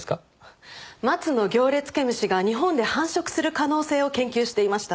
マツノギョウレツケムシが日本で繁殖する可能性を研究していました。